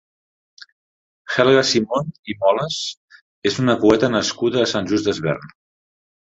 Helga Simón i Molas és una poeta nascuda a Sant Just Desvern.